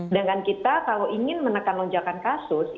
dan kan kita kalau ingin menekan lonjakan kasusnya